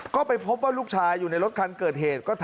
ก็ไปพบว่าลูกชายอยู่ในรถคันเกิดเหตุ